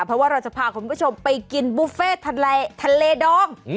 เพราะว่าเราจะพาคุณผู้ชมไปกินบุฟเฟ่ทะเลดอง